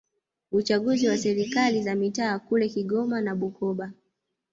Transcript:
uchaguzi wa serikali za mitaa kule Kigoma na Bukoba